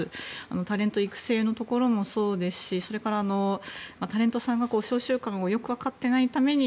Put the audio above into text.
タレント育成のところもそうですしそれから、タレントさんが商習慣をよく分かっていないために